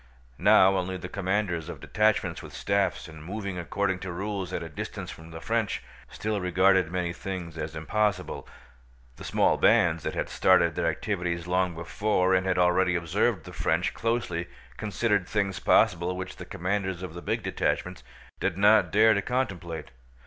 Now only the commanders of detachments with staffs, and moving according to rules at a distance from the French, still regarded many things as impossible. The small bands that had started their activities long before and had already observed the French closely considered things possible which the commanders of the big detachments did not dare to contemplate.